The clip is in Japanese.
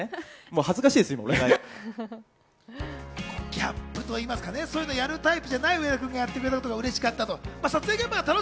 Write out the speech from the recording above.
ギャップといますかね、そういうのやるタイプじゃない上田君がやってくれたのが、うれしかったと。